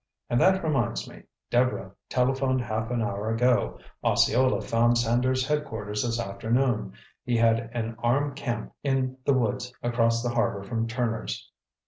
And that reminds me, Deborah telephoned half an hour ago. Osceola found Sanders' headquarters this afternoon. He had an armed camp in the woods across the harbor from Turner's.